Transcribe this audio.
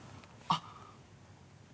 あっ。